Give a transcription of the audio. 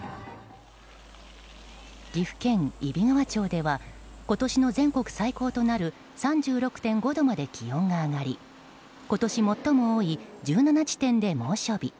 岐阜県揖斐川町では今年の全国最高となる３６．５度まで気温が上がり今年最も多い１７地点で猛暑日。